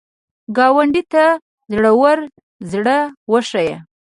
ګاونډي ته زړور زړه وښیه